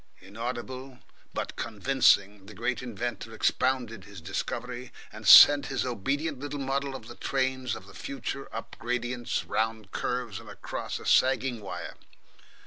Inaudible, but convincing, the great inventor expounded his discovery, and sent his obedient little model of the trains of the future up gradients, round curves, and across a sagging wire.